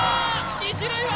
１塁は？